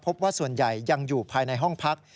พบว่าส่วนใหญ่ยังอยู่ภายในห้องพัก